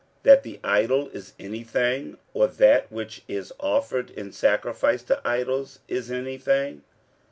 that the idol is any thing, or that which is offered in sacrifice to idols is any thing?